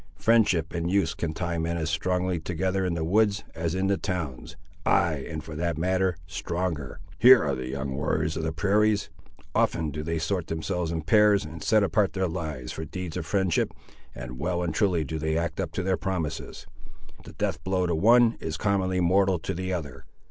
Friendship and use can tie men as strongly together in the woods as in the towns—ay, and for that matter, stronger. Here are the young warriors of the prairies.—Often do they sort themselves in pairs, and set apart their lives for deeds of friendship; and well and truly do they act up to their promises. The death blow to one is commonly mortal to the other!